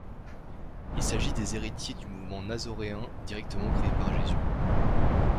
Il s'agit des héritiers du mouvement nazôréen directement créé par Jésus.